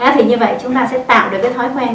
thì như vậy chúng ta sẽ tạo được cái thói quen